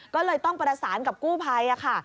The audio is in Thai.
ก็เลยต้องประสานกับกู้ภัยค่ะ